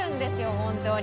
本当に。